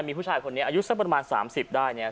มีผู้ชายคนนี้อายุสักประมาณ๓๐ได้เนี่ย